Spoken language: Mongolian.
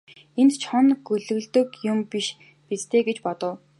Энд чоно гөлөглөдөг юм биш биз дээ гэж бодов.